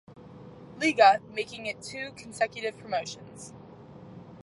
Liga, making it two consecutive promotions.